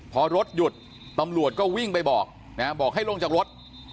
พอรถหยุดตำรวจก็วิ่งไปบอกนะบอกให้ลงจากรถ